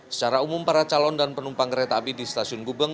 secara umum para calon dan penumpang kereta api di stasiun gubeng